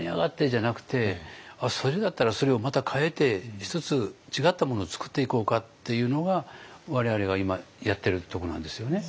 じゃなくてあっそれだったらそれをまた変えて１つ違ったものを作っていこうかっていうのが我々が今やってるとこなんですよね。